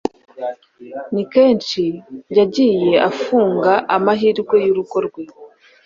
Ni kenshi yagiye afunga amahirwe y’urugo rwe